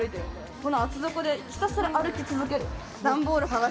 この厚底でひたすら歩き続ける。